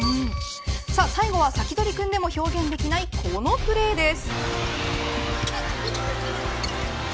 さあ最後はサキドリくんでも表現できないこのプレーです。